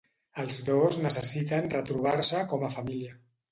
Els dos necessiten retrobar-se com a família.